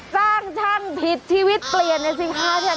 จ้างช่างถิดชีวิตเปลี่ยนในสิทธิ์ค้า